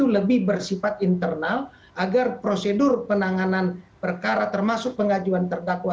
lebih bersifat internal agar prosedur penanganan perkara termasuk pengajuan terdakwa